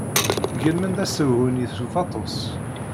Gelmen-d asehwu-nni s ufatus.